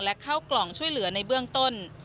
และเข้ากล่องช่วยเหลือในเบื้องต้น